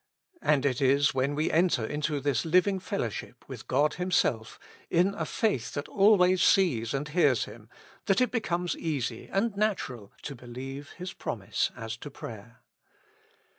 And it is when we enter into this living fellowship with God Himself, in a faith that always sees and hears Him, that it be comes easy and natural to believe His promise as to prayer.